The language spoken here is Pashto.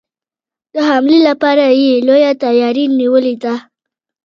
د حملې لپاره یې لويه تیاري نیولې ده.